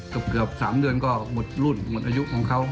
เกือบ๓เดือนก็หมดรุ่นหมดอายุของเขา